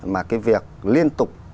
mà cái việc liên tục